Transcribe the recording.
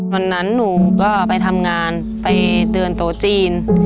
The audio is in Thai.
วันนั้นหนูก็ไปทำงานไปเตือนโต๊ะจีน